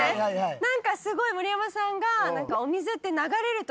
なんかすごい盛山さんが。